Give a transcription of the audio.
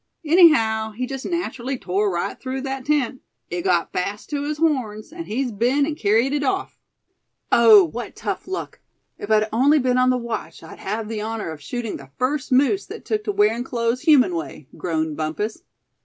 Anyhow he jest natchrally tore right through that tent. It got fast to his horns, and he's been an' kerried it off." "Oh! what tough luck. If I'd only been on the watch I'd have the honor of shooting the first moose that took to wearin' clothes human way," groaned Bumpus.